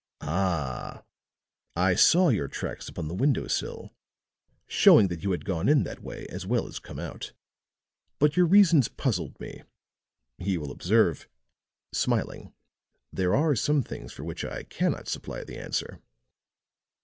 "Ah! I saw your tracks upon the window sill, showing that you had gone in that way as well as come out. But your reasons puzzled me. You will observe," smiling, "there are some things for which I cannot supply the answer."